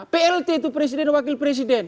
plt itu presiden wakil presiden